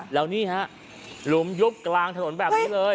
แล้วนี่ฮะหลุมยุบกลางถนนแบบนี้เลย